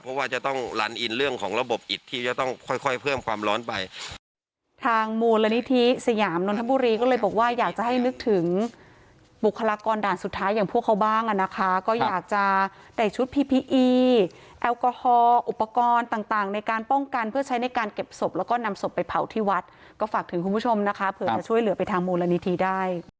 เพราะว่าจะต้องลันอินเรื่องของระบบอิดที่จะต้องค่อยเพิ่มความร้อนไป